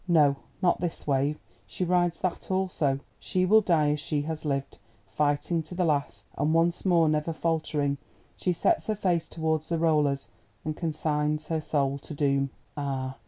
No, not this wave, she rides that also; she will die as she has lived—fighting to the last; and once more, never faltering, she sets her face towards the rollers and consigns her soul to doom. Ah!